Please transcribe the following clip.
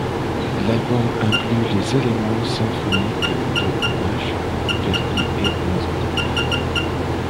L'album inclut des éléments symphoniques de Bach, Verdi et Mozart.